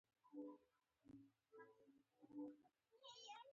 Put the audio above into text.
هغه ډېر وېښته لرونکی انسان دی.